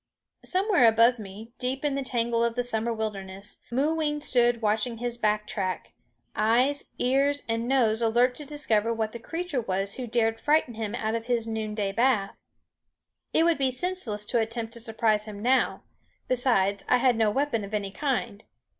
Somewhere above me, deep in the tangle of the summer wilderness, Mooween stood watching his back track, eyes, ears, and nose alert to discover what the creature was who dared frighten him out of his noonday bath. It would be senseless to attempt to surprise him now; besides, I had no weapon of any kind.